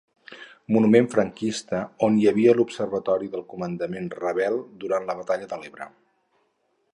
Monument franquista on hi havia l’observatori del comandament rebel durant la batalla de l’Ebre.